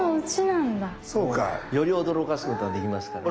なるほどそうか！より驚かすことができますから。